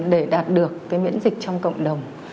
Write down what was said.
để đạt được miễn dịch trong cộng đồng